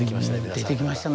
出てきましたね。